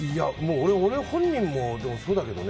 俺本人もそうだけどね。